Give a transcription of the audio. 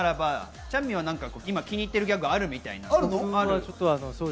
チャンミンは今、気に入ってるギャグがあるみたいなので。